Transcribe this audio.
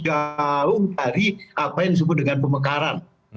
tahu tadi apa yang disebut dengan pemekaran